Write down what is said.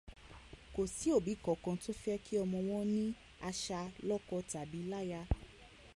Kò sí òbí kankan tó fẹ́ kí ọmọ wọ́n ni aṣa lọ́kọ tàbí láyá.